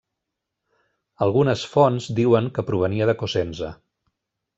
Algunes fonts diuen que provenia de Cosenza.